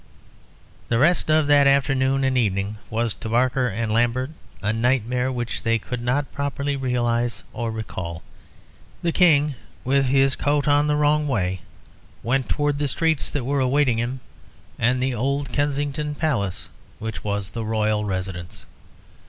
The rest of that afternoon and evening was to Barker and Lambert a nightmare, which they could not properly realise or recall. The King, with his coat on the wrong way, went towards the streets that were awaiting him, and the old Kensington Palace which was the Royal residence.